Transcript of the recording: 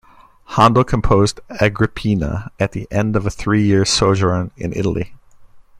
Handel composed "Agrippina" at the end of a three-year sojourn in Italy.